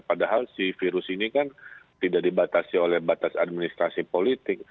padahal si virus ini kan tidak dibatasi oleh batas administrasi politik